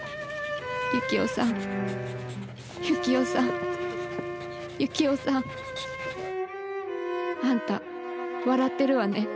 行男さん行男さん行男さん。あんた笑ってるわね。